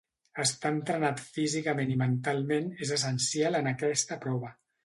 Estar entrenat físicament i mentalment és essencial en aquesta prova.